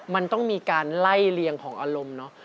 มันต้องมีการไล่เลียงของอารมณ์เนอะ